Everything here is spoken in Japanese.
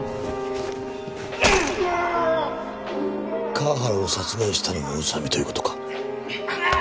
河原を殺害したのも宇佐美という事か。